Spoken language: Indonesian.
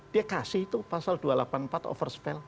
dia kasih itu pasal dua ratus delapan puluh empat over spell